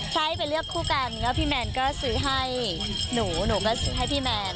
ใช่ไปเลือกคู่กันก็พี่แมนก็ซื้อให้หนูหนูก็ซื้อให้พี่แมน